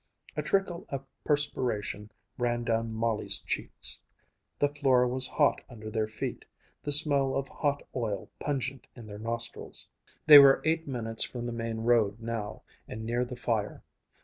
A trickle of perspiration ran down Molly's cheeks. The floor was hot under their feet, the smell of hot oil pungent in their nostrils. They were eight minutes from the main road now, and near the fire.